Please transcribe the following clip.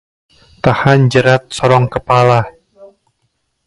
Tahan jerat sorong kepala